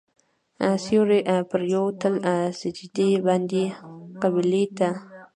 سیوري پرېوتل سجدې باندې قبلې ته.